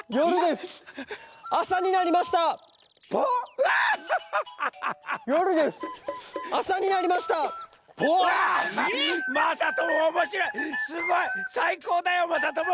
すごい！さいこうだよまさとも。